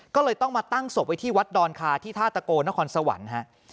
ก็เลยต้องมาตั้งศพไว้ที่วัดดอนคาที่ท่าตะโกนครสวรรค์ฮะ